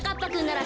なら